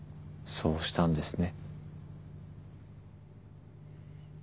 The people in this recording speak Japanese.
そうしたんですね。